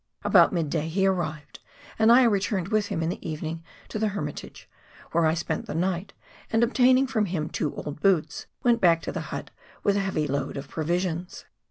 About mid day he arrived, and I returned with him in the evening to the Hermitage, where I spent the night, and obtaining from him two old boots, went back to the hut with a heavy load of pro visions.